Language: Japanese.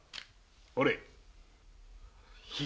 ほれ。